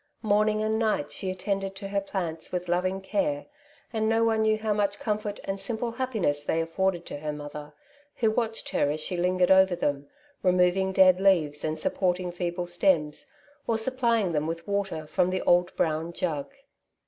Morning and night she attended to her plants with loving care, and no one knew how much comfort and simple happiness they afibrded to her mother, who watched her as she lingered oyer them, remov ing dead leaves, and supporting feeble stems, or supplying them with water from the old brown jug.